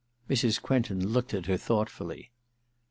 Mrs. Quentin looked at her thoughtfully.